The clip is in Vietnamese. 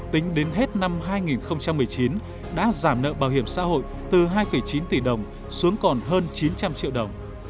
tính đến hết năm hai nghìn một mươi chín đã giảm nợ bảo hiểm xã hội từ hai chín tỷ đồng xuống còn hơn chín trăm linh triệu đồng